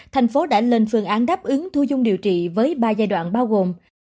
thành phố đã lên phương án đáp ứng thu dung điều trị với ba giai đoạn bao gồm